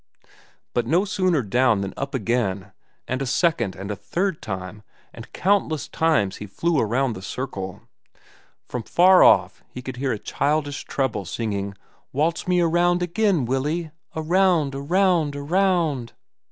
But no sooner down than up again, and a second and a third time and countless times he flew around the circle. From far off he could hear a childish treble singing: "Waltz me around again, Willie, around, around, around."